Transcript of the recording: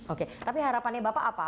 oke tapi harapannya bapak apa